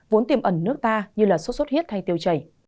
vốn tiềm ẩn nước ta như sốt xuất huyết hay tiêu chảy